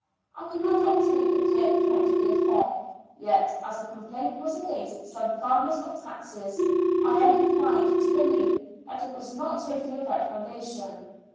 I could not obtain a clear account of the affair, yet, as the complaint was against some farmers of taxes, I am inclined to believe that it was not totally without foundation.